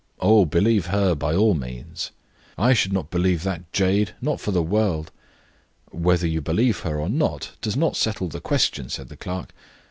"Oh, believe her by all means." "I should not believe that jade, not for the world." "Whether you believe her or not does not settle the question," said the clerk.